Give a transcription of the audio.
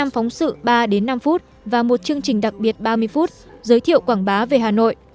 năm phóng sự ba đến năm phút và một chương trình đặc biệt ba mươi phút giới thiệu quảng bá về hà nội